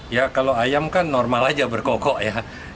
ya kalau ayam kan normal aja berkokok ya